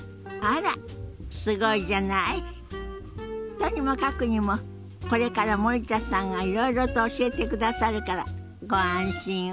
とにもかくにもこれから森田さんがいろいろと教えてくださるからご安心を。